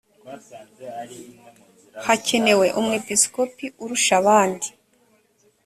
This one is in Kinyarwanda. hakenewe umwepisikopi urusha abandi